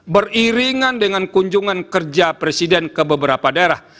beriringan dengan kunjungan kerja presiden ke beberapa daerah